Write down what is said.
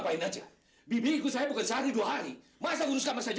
saya pergi jika tuhan memberikan ini tapi saya tak maaf kalau saya bersalah